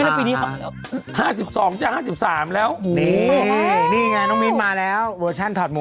นี่นี่ไงน้องมีนมาแล้วเวอร์ชันถอดหมวด